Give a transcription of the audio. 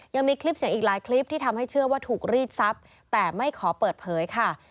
ยังมีคลิปเสียงอีกหลายคลิปที่ทำให้เชื่อว่าถูกรีดทรัพย์แต่ไม่ขอเปิดเผยค่ะ